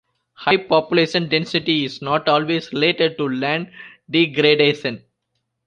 High population density is not always related to land degradation.